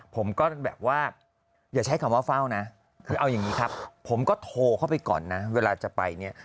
ผมก็แบบว่าอย่าใช้คำว่าเฝ้านะคือเอาอย่างนี้ครับผมก็โทรเข้าไปก่อนนะเวลาจะไปเนี่ย